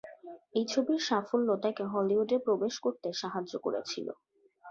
এই ছবির সাফল্য তাকে হলিউডে প্রবেশ করতে সাহায্য করেছিল।